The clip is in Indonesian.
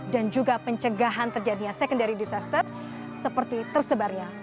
dan juga pencegahan terjadinya secondary disaster seperti tersebarnya wabah penyakit